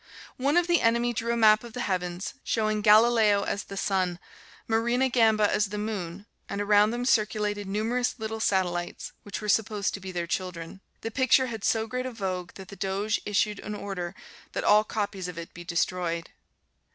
One of the enemy drew a map of the heavens, showing Galileo as the sun, Marina Gamba as the moon, and around them circulated numerous little satellites, which were supposed to be their children. The picture had so great a vogue that the Doge issued an order that all copies of it be destroyed.